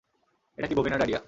এটা কী বমি না-কি ডায়রিয়া?